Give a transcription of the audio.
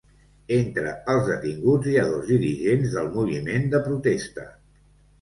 Entre els detinguts hi ha dos dirigents del moviment de protesta.